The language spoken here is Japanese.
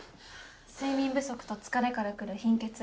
睡眠不足と疲れからくる貧血。